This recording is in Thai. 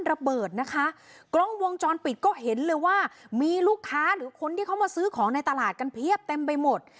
ระเบิดนะคะกล้องวงจรปิดก็เห็นเลยว่ามีลูกค้าหรือคนที่เขามาซื้อของในตลาดกันเพียบเต็มไปหมด